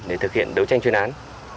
đối tranh chuyên án